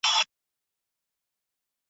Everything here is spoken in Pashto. یوه ورځ ورته ناڅا په مرګی ګوري .